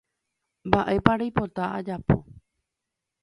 Mba'épa reipota ajapo